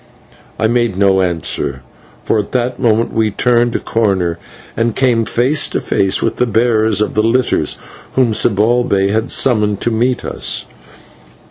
I made no answer, for at that moment we turned a corner, and came face to face with the bearers of the litters whom Zibalbay had summoned to meet us.